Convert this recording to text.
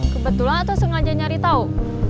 kebetulan atau sengaja nyari tau